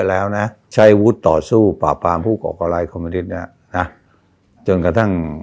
แต่ว่าตายทางกัน